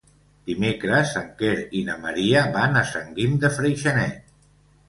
Dimecres en Quer i na Maria van a Sant Guim de Freixenet.